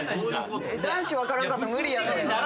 男子分からんかったら無理やで。